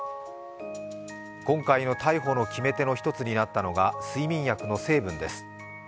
今回の逮捕の決め手の一つとなったのが睡眠薬の成分です。